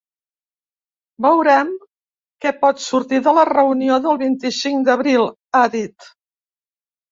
Veurem què pot sortir de la reunió del vint-i-cinc d’abril, ha dit.